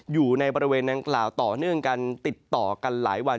อยู่ในบริเวณดังกล่าวต่อเนื่องกันติดต่อกันหลายวัน